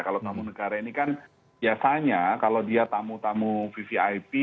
kalau tamu negara ini kan biasanya kalau dia tamu tamu vvip